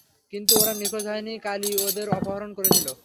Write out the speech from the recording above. কিন্তু ওরা নিখোঁজ হয়নি কালী ওদের অপহরণ করেছিল।